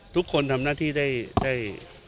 ทุกคนทำหน้าที่ได้